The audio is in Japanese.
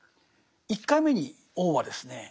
１回目に王はですね